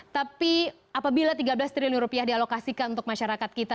tapi apabila tiga belas triliun rupiah dialokasikan untuk masyarakat kita